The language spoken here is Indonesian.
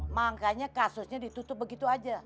makanya kasusnya ditutup begitu aja